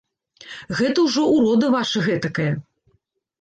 Гэта ўжо ўрода ваша гэтакая.